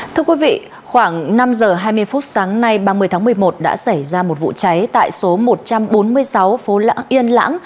thưa quý vị khoảng năm giờ hai mươi phút sáng nay ba mươi tháng một mươi một đã xảy ra một vụ cháy tại số một trăm bốn mươi sáu phố yên lãng